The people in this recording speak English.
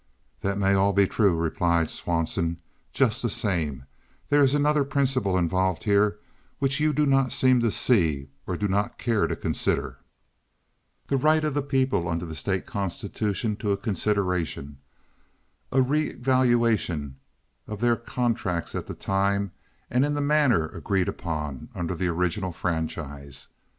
"That may all be true," replied Swanson. "Just the same, there is another principle involved here which you do not seem to see or do not care to consider—the right of the people under the state constitution to a consideration, a revaluation, of their contracts at the time and in the manner agreed upon under the original franchise.